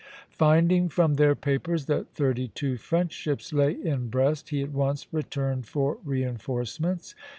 Finding from their papers that thirty two French ships lay in Brest, he at once returned for reinforcements.